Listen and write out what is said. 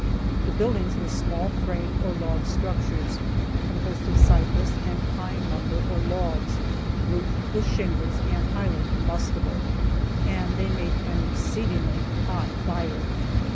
The buildings were small frame or log structures, composed of cypress and pine lumber or logs, roofed with shingles, and highly combustible, and they made an exceedingly hot fire.